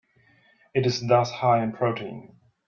It is thus high in protein.